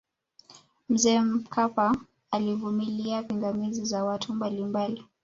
mzee mkapa alivumilia pingamizi za watu mbalimbali